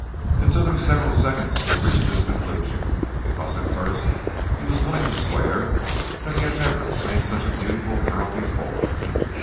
It took him several seconds to reach this conclusion, because at first he was willing to swear that he had never seen such a beautiful girl before.